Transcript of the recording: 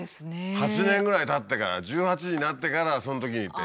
８年ぐらいたってから１８になってからそのときにって。